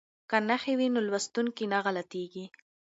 که نښې وي نو لوستونکی نه غلطیږي.